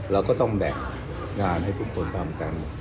เราก็ต้องแบ่งงานให้ทุกคนทำกัน